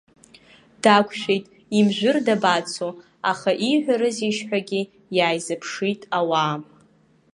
Дақәшәеит, имжәыр дабацо, аха ииҳәарызеишь ҳәагьы иааизыԥшит ауаа.